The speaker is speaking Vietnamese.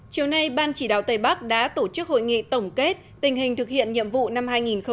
chiều nay ban chỉ đạo tây bắc đã tổ chức hội nghị tổng kết tình hình thực hiện nhiệm vụ năm hai nghìn một mươi chín